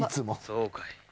「そうかい」